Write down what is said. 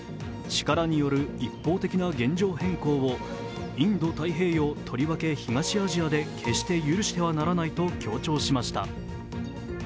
力による一方的な現状変更をインド太平洋、とりわけ東アジアで決して許してはならないと強調しました。